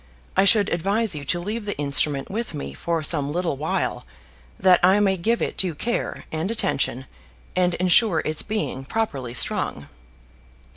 I should advise you to leave the instrument with me for some little while, that I may give it due care and attention and ensure its being properly strung."